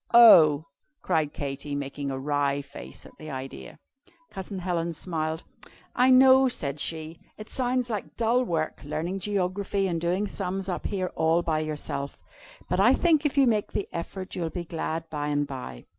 "Oh!" cried Katy, making a wry face at the idea. Cousin Helen smiled. "I know," said she, "it sounds like dull work, learning geography and doing sums up here all by yourself. But I think if you make the effort you'll be glad by and by.